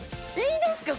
いいんですか？